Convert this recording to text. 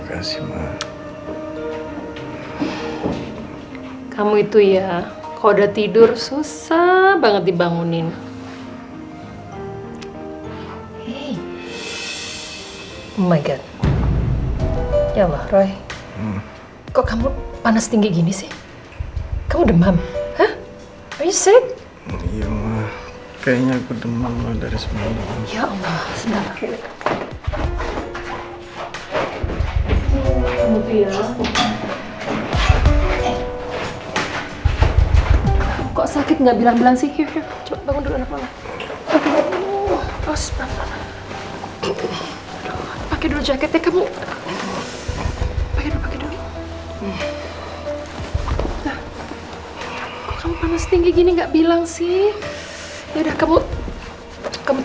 ketika mereka tiba tiba berjalan ke luar sana mereka mengangkat sebuah cahaya yang berburu dan menyebabkan kejahatan